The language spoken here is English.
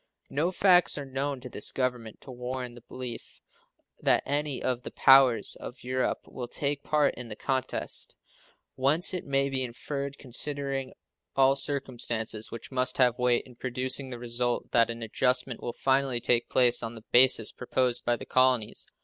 No facts are known to this Government to warrant the belief that any of the powers of Europe will take part in the contest, whence it may be inferred, considering all circumstances which must have weight in producing the result, that an adjustment will finally take place on the basis proposed by the colonies.